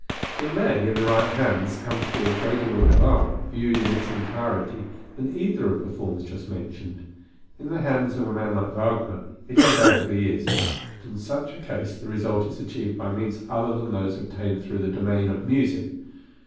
It may, in the right hands, come to be a greater work of art, viewed in its entirety, than either of the forms just mentioned. In the hands of a man like Wagner, it undoubtedly is, but in such a case the result is achieved by means other than those obtained through the domain of music.